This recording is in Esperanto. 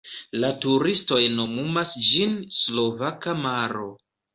La turistoj nomumas ĝin Slovaka maro.